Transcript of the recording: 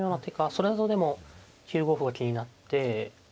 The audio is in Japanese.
それだとでも９五歩が気になって。